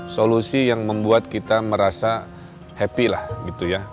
solusi yang membuat kita merasa happy lah gitu ya